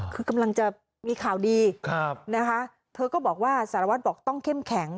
คือกำลังจะมีข่าวดีนะคะเธอก็บอกว่าสารวัตรบอกต้องเข้มแข็ง